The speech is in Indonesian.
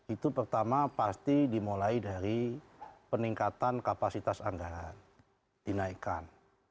itu pertama pasti dimulai dari peningkatan kapasitas anggaran dinaikkan